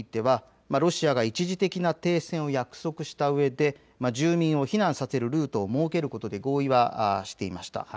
これまでの協議においてはロシアが一時的な停戦を約束したうえで住民を避難させるルートを設けるということで合意はしていました。